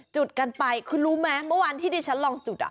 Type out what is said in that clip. จุดกันไปคุณรู้ไหมเมื่อวานที่ดิฉันลองจุด